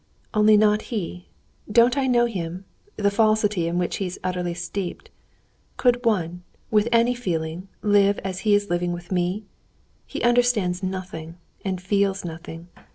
"Only not he. Don't I know him, the falsity in which he's utterly steeped?... Could one, with any feeling, live as he is living with me? He understands nothing, and feels nothing.